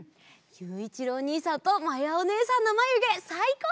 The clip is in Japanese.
ゆういちろうおにいさんとまやおねえさんのまゆげさいこう！